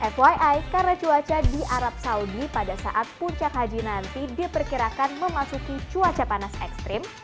fyi karena cuaca di arab saudi pada saat puncak haji nanti diperkirakan memasuki cuaca panas ekstrim